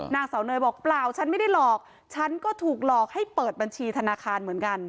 นางเสาเนยบอกเปล่าฉันไม่ได้หลอกฉันก็ถูกหลอกให้เปิดบัญชีธนาคารเหมือนกัน